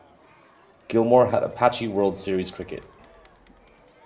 Gilmour had a patchy World Series Cricket.